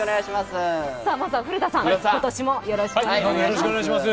まずは古田さん、今年もよろしくお願いいたします。